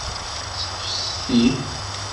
Ssifses-it.